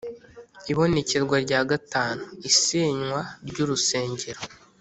ibonekerwa rya gatanu: isenywa ry’urusengero